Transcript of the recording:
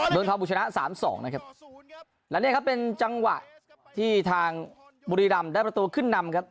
เมืองทองบุชนะสามสองนะครับและเนี่ยครับเป็นจังหวะที่ทางบุรีรำได้ประตูขึ้นนำครับ